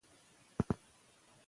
زما ورسره ساعت تیریږي.